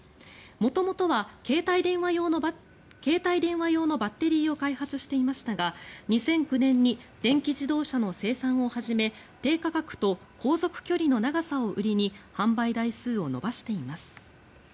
元々は携帯電話用のバッテリーを開発していましたが２００９年に電気自動車の生産を始め低価格と航続距離の長さを売りに販売台数を伸ばしています。